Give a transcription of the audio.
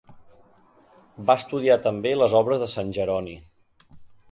Va estudiar també les obres de Sant Jeroni.